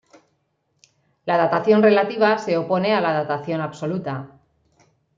La datación relativa se opone a la datación absoluta.